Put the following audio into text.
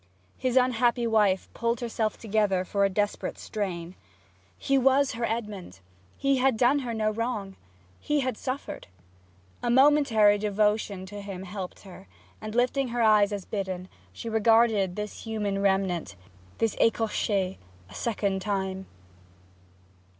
His unhappy wife pulled herself together for a desperate strain. He was her Edmond; he had done her no wrong; he had suffered. A momentary devotion to him helped her, and lifting her eyes as bidden she regarded this human remnant, this ecorche, a second time.